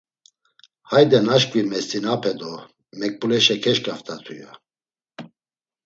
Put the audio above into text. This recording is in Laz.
“Hayde naşǩvi mest̆inape do Menkbuleşa kelaft̆atu.” ya.